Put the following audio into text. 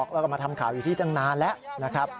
แล้วก็มาทำข่าวอยู่ที่ตั้งนานแล้วนะครับ